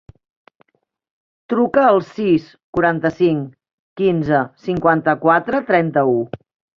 Truca al sis, quaranta-cinc, quinze, cinquanta-quatre, trenta-u.